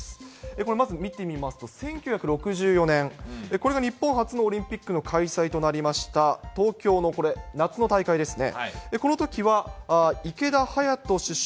これ、まず見てみますと、１９６４年、これが日本初のオリンピックの開催となりました、東京のこれ、夏の大会ですね。